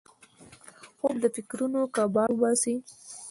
خوب د فکرونو کباړ وباسي